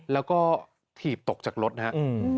แล้วก็ถีบตกจากรถนะครับ